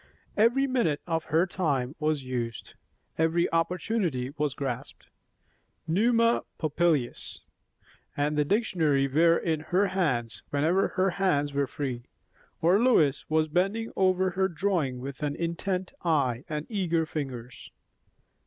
Every minute of her time was used; every opportunity was grasped; "Numa Pompilius" and the dictionary were in her hands whenever her hands were free; or Lois was bending over her drawing with an intent eye and eager fingers.